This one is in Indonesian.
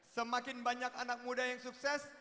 semakin banyak anak muda yang sukses